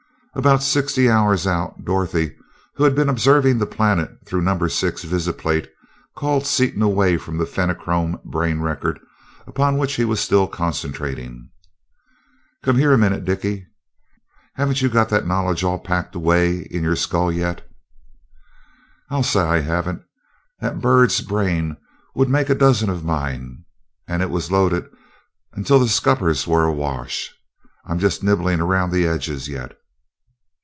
About sixty hours out, Dorothy, who had been observing the planet through number six visiplate, called Seaton away from the Fenachrone brain record, upon which he was still concentrating. "Come here a minute, Dickie! Haven't you got that knowledge all packed away in your skull yet?" "I'll say I haven't. That bird's brain would make a dozen of mine, and it was loaded until the scuppers were awash. I'm just nibbling around the edges yet."